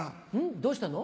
どうしたの？